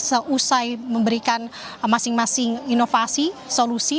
seusai memberikan masing masing inovasi solusi